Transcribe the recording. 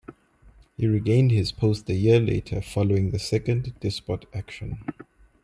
He regained his post a year later following the Second Despot Incident.